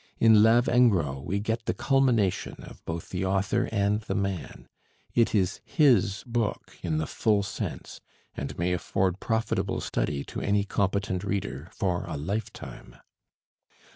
In 'Lavengro' we get the culmination of both the author and the man; it is his book in the full sense, and may afford profitable study to any competent reader for a lifetime.